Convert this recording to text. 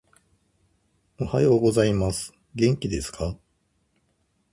おはようございます。元気ですか？